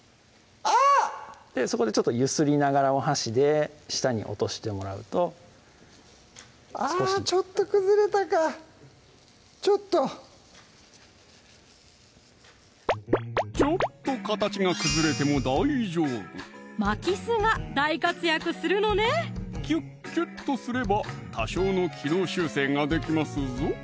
そこでちょっと揺すりながらお箸で下に落としてもらうとあぁちょっと崩れたかちょっとちょっと形が崩れても大丈夫巻き簾が大活躍するのねキュッキュッとすれば多少の軌道修正ができますぞ！